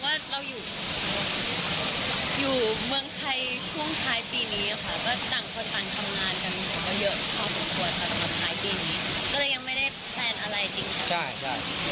ก็ต่างคนกันทำงานกันเยอะพอสมควรสำหรับท้ายปีนี้